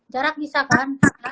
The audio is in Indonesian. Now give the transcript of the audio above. jarak bisa kan